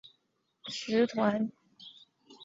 秘鲁无产阶级党是秘鲁的一个共产主义政党。